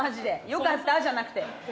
よかったじゃなくて。